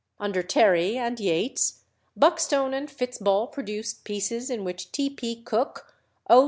Under Terry and Yates, Buckstone and Fitzball produced pieces in which T. P. Cooke, O.